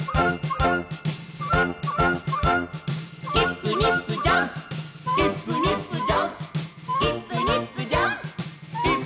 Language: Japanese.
「イップニップジャンプイップニップジャンプ」「イップニップジャンプイップニップジャンプ」